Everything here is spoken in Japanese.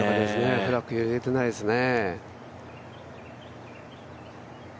フラッグ、揺れてないですね。